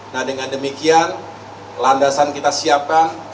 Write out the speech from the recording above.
nah dengan demikian landasan kita siapkan